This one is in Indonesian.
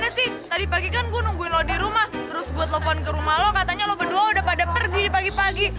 saya sih tadi pagi kan gue nungguin lo di rumah terus gue telepon ke rumah lo katanya love dua udah pada pergi di pagi pagi